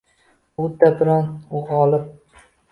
U uddaburon, u g‘olib!